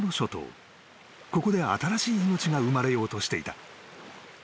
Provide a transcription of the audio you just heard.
［ここで新しい命が生まれようとしていた］